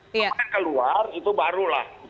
pemain keluar itu baru lah